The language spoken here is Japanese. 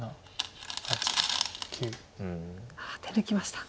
手抜きました。